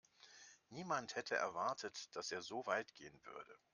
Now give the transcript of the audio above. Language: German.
Niemand hätte erwartet, dass er so weit gehen würde.